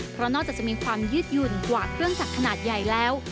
เพราะนอกจากจะมีความยืดหยุ่นกว่าเครื่องจักรขนาดใหญ่แล้ว